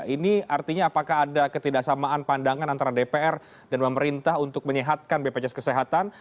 ini artinya apakah ada ketidaksamaan pandangan antara dpr dan pemerintah untuk menyehatkan bpjs kesehatan